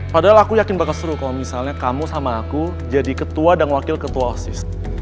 padahal aku yakin bakal seru kalau misalnya kamu sama aku jadi ketua dan wakil ketua osis